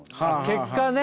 結果。